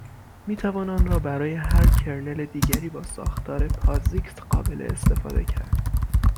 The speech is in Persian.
میتوان آن را برای هر کرنل دیگری با ساختار پازیکس قابل استفاده کرد